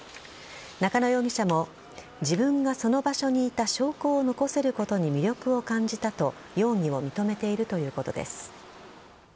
中野容疑者も自分がその場所に行った証拠を残せることに魅力を感じたと容疑を認めているということです。